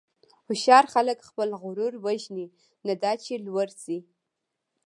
هوښیار خلک خپل غرور وژني، نه دا چې لوړ شي.